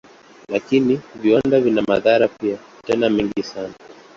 Lakini viwanda vina madhara pia, tena mengi sana.